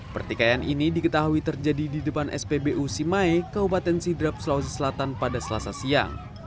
pertikaian ini diketahui terjadi di depan spbu simai kabupaten sidrap sulawesi selatan pada selasa siang